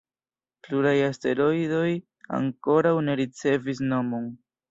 Pluraj asteroidoj ankoraŭ ne ricevis nomon.